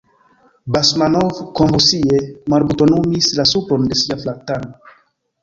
Basmanov konvulsie malbutonumis la supron de sia kaftano.